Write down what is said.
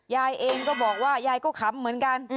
ยายเองก็บอกว่ายายก็ขำเหมือนกัน